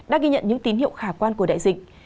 đã ghi nhận những tín hiệu khả quan của đại dịch